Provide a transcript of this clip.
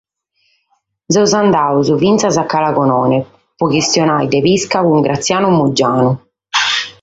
Semus andados finas a Cala Gonone pro chistionare de pisca cun Graziano Muggianu.